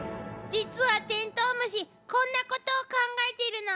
実はテントウムシこんなことを考えているの。